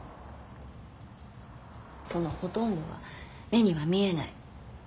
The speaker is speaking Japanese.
そのほとんどは目には見えない。